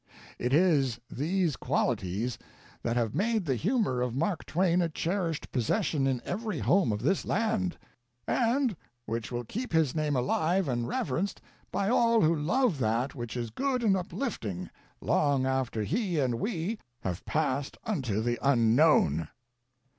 "It is these qualities that have made the humor of Mark Twain a cherished possession in every home of this land, and which will keep his name alive and reverence d by all who love that which good and uplifting, long after he and we have passed unto the unknown."